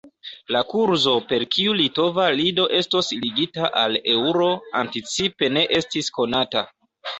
La kurzo per kiu litova lido estos ligita al eŭro anticipe ne estis konata.